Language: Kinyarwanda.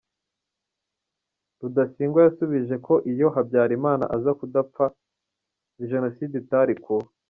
Rudasingwa yasubije ko iyo Habyarimana aza kudapfa jenoside itari kuba.